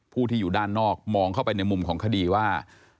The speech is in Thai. ผู้ที่อยู่ด้านนอกมองเข้าไปในมุมของคดีว่า